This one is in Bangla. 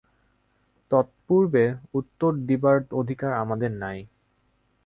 তৎপূর্বে উত্তর দিবার অধিকার আমাদের নাই।